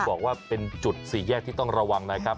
บอกว่าเป็นจุดสี่แยกที่ต้องระวังนะครับ